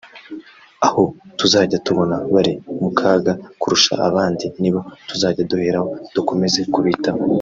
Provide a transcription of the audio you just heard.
aho tuzajya tubona bari mu kaga kurusha abandi nibo tuzajya duheraho dukomeze kubitaho